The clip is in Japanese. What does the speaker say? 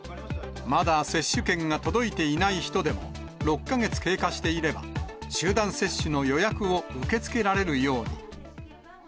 まだ接種券が届いていない人でも、６か月経過していれば、集団接種の予約を受け付けられるように。